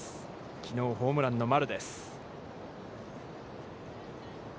きのうホームランの丸です。